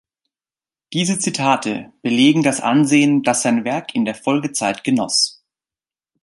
Diese Zitate belegen das Ansehen, das sein Werk in der Folgezeit genoss.